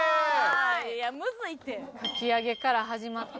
「かき揚げ」から始まって。